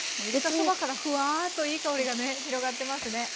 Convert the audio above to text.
入れたそばからふわっといい香りがね広がってますね。